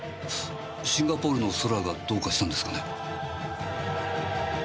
シンガポールの空がどうかしたんですかね？